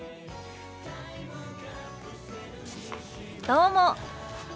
どうも。